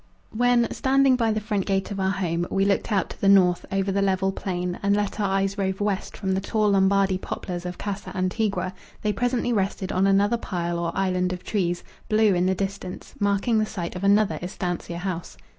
When, standing by the front gate of our home, we looked out to the north over the level plain and let our eyes rove west from the tall Lombardy poplars of Casa Antigua, they presently rested on another pile or island of trees, blue in the distance, marking the site of another estancia house.